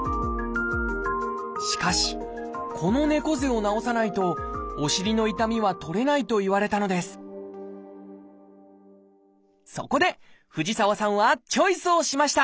しかしこの猫背を直さないとお尻の痛みは取れないと言われたのですそこで藤沢さんはチョイスをしました！